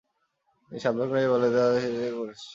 তিনি সাবধান করেন এই বলে, "তারা সব দিক থেকে আসছে।"